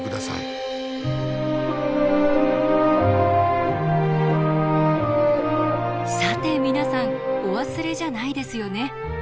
さて皆さんお忘れじゃないですよね？